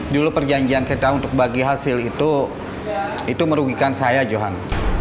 dulu perjanjian kita untuk bagi hasil itu itu merugikan saya johan